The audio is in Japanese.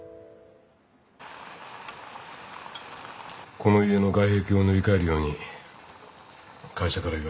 この家の外壁を塗り替えるように会社から言われた。